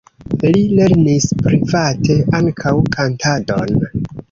Li lernis private ankaŭ kantadon.